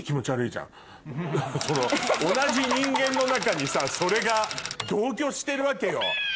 同じ人間の中にさそれが同居してるわけよ。